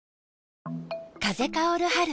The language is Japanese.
風薫る春。